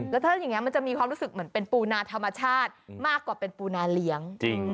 แล้วถ้าอย่างนี้มันจะมีความรู้สึกเหมือนเป็นปูนาธรรมชาติมากกว่าเป็นปูนาเลี้ยง